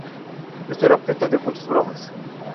Esto era objeto de muchas bromas.